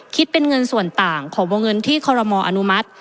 คิดเป็นเงินส่วนต่างของวงเงินที่คอรมออนุมัติ